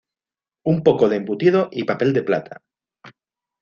un poco de embutido y papel de plata